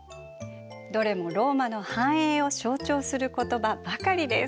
どれもローマの繁栄を象徴する言葉ばかりです。